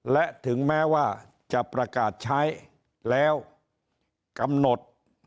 และถึงแม้ว่าจะประกาศใช้แล้วกำหนด